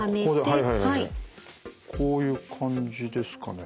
こういう感じですかね。